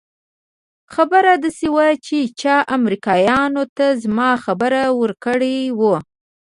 خبره داسې وه چې چا امريکايانو ته زما خبر ورکړى و.